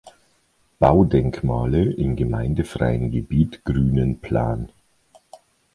Baudenkmale im gemeindefreien Gebiet Grünenplan.